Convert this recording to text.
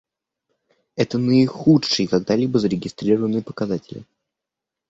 Это наихудшие когда-либо зарегистрированные показатели.